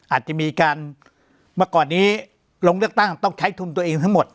อาจจะมีการเมื่อก่อนนี้ลงเลือกตั้งต้องใช้ทุนตัวเองทั้งหมด